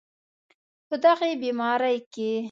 په دغې بیمارۍ کې